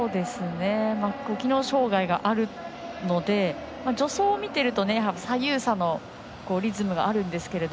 機能障がいがあるので助走を見ていると左右差のリズムがあるんですけど。